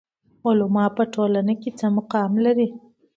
علما په ټولنه کې څه مقام لري؟